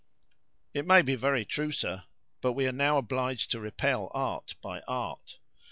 "It may be very true, sir; but we are now obliged to repel art by art.